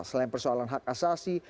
selain persoalan hak asasi